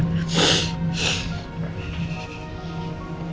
gak lama kok